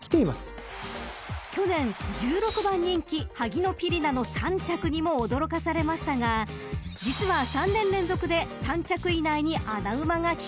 ［去年１６番人気ハギノピリナの３着にも驚かされましたが実は３年連続で３着以内に穴馬がきているんです］